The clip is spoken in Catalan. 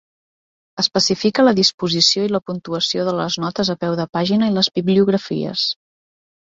Especifica la disposició i la puntuació de les notes a peu de pàgina i les bibliografies.